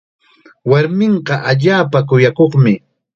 Warminqa allaapa kuyakuqmi.